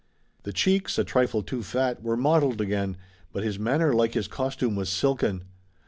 The cheeks, a trifle too fat, were mottled again, but his manner like his costume was silken.